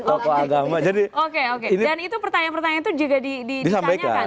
oke oke dan itu pertanyaan pertanyaan itu juga ditanyakan